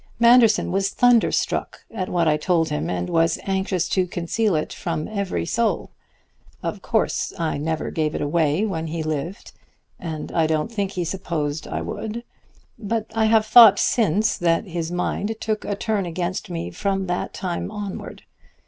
Manderson was thunderstruck at what I told him, and was anxious to conceal it from every soul. Of course I never gave it away while he lived, and I don't think he supposed I would; but I have thought since that his mind took a turn against me from that time onward.